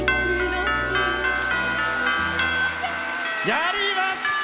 やりました！